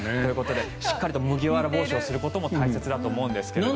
しっかり麦わら帽子をすることが大切だと思うんですけれども。